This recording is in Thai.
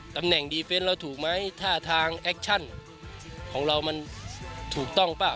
ตำแหน่งดีเฟนต์เราถูกไหมท่าทางแอคชั่นของเรามันถูกต้องเปล่า